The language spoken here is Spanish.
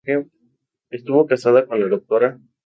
Estuvo casado con la Dra.